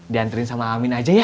diantri sama amin aja ya